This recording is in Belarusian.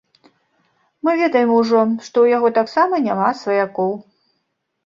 Мы ведаем ужо, што ў яго таксама няма сваякоў.